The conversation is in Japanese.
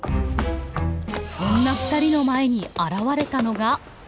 そんなふたりの前に現れたのが。